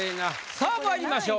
さあまいりましょう。